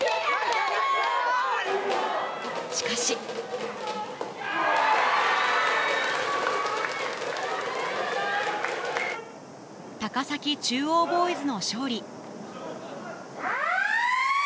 しかし高崎中央ボーイズの勝利